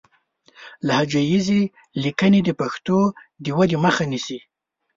لهجه ييزې ليکنې د پښتو د ودې مخه نيسي